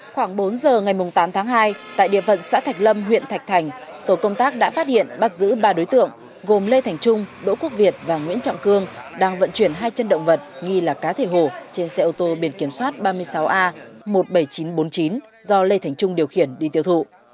khoảng bốn giờ ngày tám tháng hai tại địa phận xã thạch lâm huyện thạch thành tổ công tác đã phát hiện bắt giữ ba đối tượng gồm lê thành trung đỗ quốc việt và nguyễn trọng cương đang vận chuyển hai chân động vật nghi là cá thể hổ trên xe ô tô biển kiểm soát ba mươi sáu a một mươi bảy nghìn chín trăm bốn mươi chín do lê thành trung điều khiển đi tiêu thụ